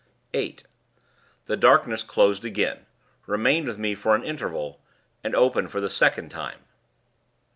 "8. The darkness closed again remained with me for an interval and opened for the second time.